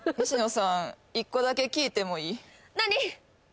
西野さん１個だけ聞いてもいい？